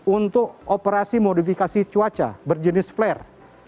untuk operasi modifikasi cuaca berjenis flare